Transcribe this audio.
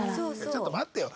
ちょっと待ってよ。